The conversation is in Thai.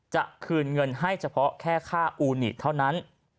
จะคืนเงินให้เฉพาะแค่ค่าอูนิเท่านั้น